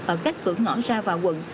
ở cách cửa ngõ xa vào quận